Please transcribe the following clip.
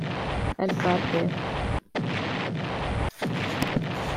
él parte